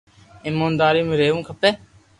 ايمونداري مون رھيوُ کپي